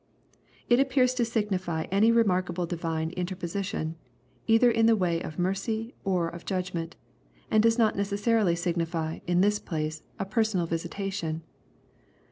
It appears to signify any remarkable divine in terposition, either in the way of mercy or of judgment, and does not necessarily signify, in this place, a personal visitation.